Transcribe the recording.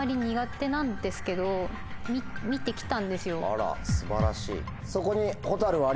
あら素晴らしい。